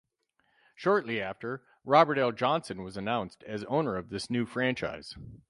Shortly after, Robert L. Johnson was announced as owner of this new franchise.